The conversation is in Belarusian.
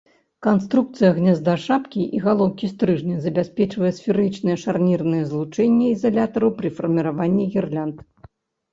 Канструкцыя гнязда шапкі і галоўкі стрыжня забяспечвае сферычнае шарнірнае злучэнне ізалятараў пры фарміраванні гірлянд.